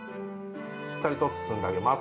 しっかりと包んであげます。